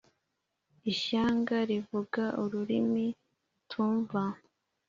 ishyanga rivuga ururimi utumva,